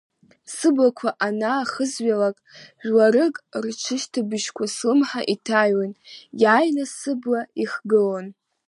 Сыблақәа анаахызҩалак, жәларык рҽышьҭыбжьқәа слымҳа иҭаҩуан, иааины сыбла ихгылон.